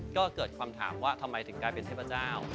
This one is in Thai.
ก็เกิดคำถามว่าทำไมถึงกลายเป็นเทพเจ้า